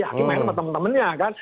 hakim main sama temen temennya kan